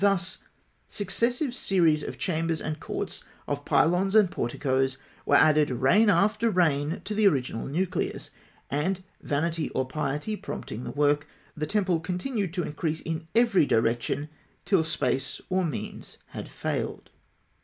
Thus, successive series of chambers and courts, of pylons and porticoes, were added reign after reign to the original nucleus; and vanity or piety prompting the work the temple continued to increase in every direction, till space or means had failed.